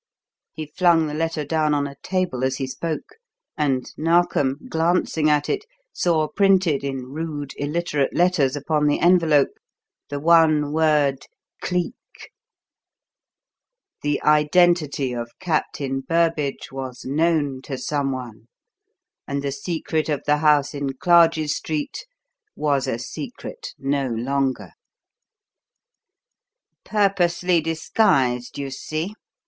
He flung the letter down on a table as he spoke, and Narkom, glancing at it, saw printed in rude, illiterate letters upon the envelope the one word "Cleek." The identity of "Captain Burbage" was known to someone, and the secret of the house in Clarges Street was a secret no longer! "Purposely disguised, you see.